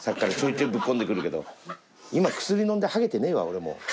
今薬飲んでハゲてねえわ俺もう。